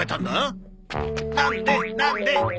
なんでなんで？